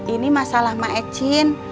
ini masalah mak ecin